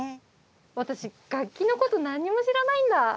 私楽器のこと何にも知らないんだ。